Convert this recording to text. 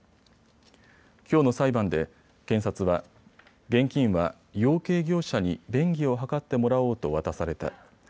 きょうの裁判で検察は現金は養鶏業者に便宜を図ってもらおうと渡された。